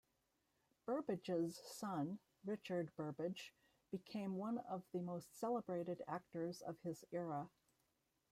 Burbage's son Richard Burbage became one of the most celebrated actors of his era.